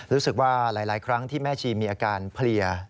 รู้สึกว่าหลายครั้งที่แม่ชีมีอาการเพลีย